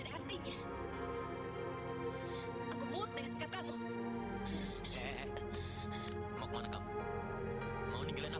jadi kamu anggap aku menikah dengan kamu itu karena